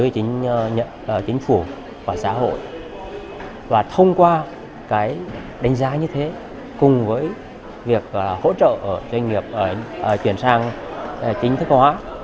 chính phủ và xã hội và thông qua cái đánh giá như thế cùng với việc hỗ trợ doanh nghiệp chuyển sang chính thức hóa